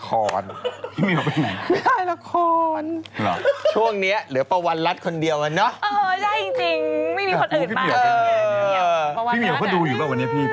ขับรถขับราไปเคี่ยวไหนก็โขอให้เดินทางปลอดภัยนะครับ